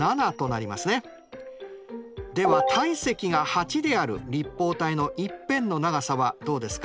では体積が８である立方体の１辺の長さはどうですか？